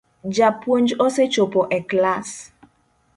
Japuonj osechopo e klass